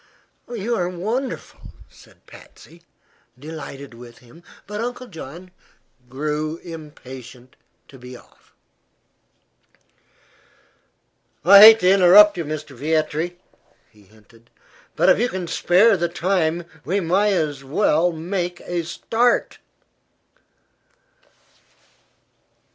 "You are wonderful," said Patsy, delighted with him. But Uncle John grew impatient to be off. "I hate to interrupt you, Mr. Vietri," he hinted; "but if you can spare the time we may as well make a start."